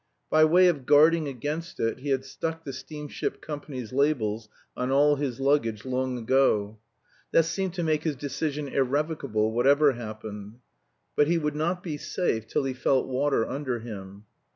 By way of guarding against it he had stuck the Steamship Company's labels on all his luggage long ago. That seemed to make his decision irrevocable whatever happened. But he would not be safe till he felt water under him.